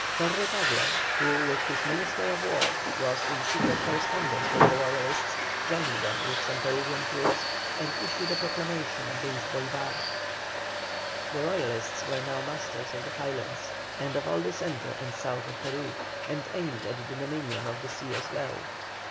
Torre Tagle, who with his Minister of War, was in secret correspondence with the Royalists, joined them with some Peruvian troops, and issued a proclamation against Bolívar. The Royalists were now masters of the Highlands, and of all the centre and south of Peru, and aimed at the dominion of the sea as well.